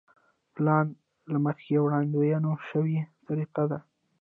پلان له مخکې وړاندوينه شوې طریقه ده.